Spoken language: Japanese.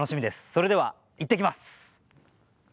それではいってきます。